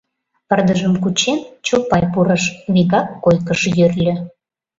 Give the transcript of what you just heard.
Пырдыжым кучен, Чопай пурыш, вигак койкыш йӧрльӧ.